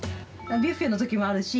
ビュッフェのときもあるし。